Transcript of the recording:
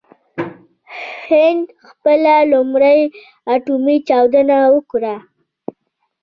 هند خپله لومړۍ اټومي چاودنه وکړه.